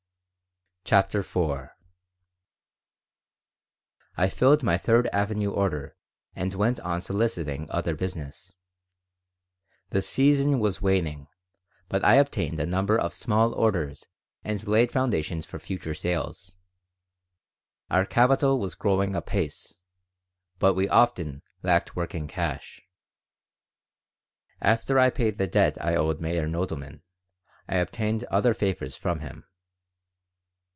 CHAPTER IV I FILLED my Third Avenue order and went on soliciting other business. The season was waning, but I obtained a number of small orders and laid foundations for future sales. Our capital was growing apace, but we often lacked working cash After I paid the debt I owed Meyer Nodelman I obtained other favors from him.